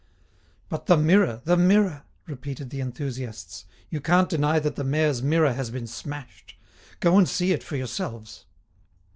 "But the mirror, the mirror!" repeated the enthusiasts. "You can't deny that the mayor's mirror has been smashed; go and see it for yourselves."